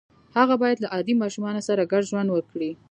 هغه باید له عادي ماشومانو سره ګډ ژوند وکړي